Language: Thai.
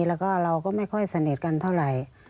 แล้วก็เราก็ไม่ค่อยสนิทกันเท่าไหร่